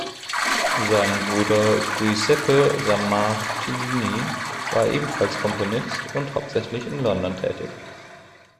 Sein Bruder Giuseppe Sammartini war ebenfalls Komponist und hauptsächlich in London tätig.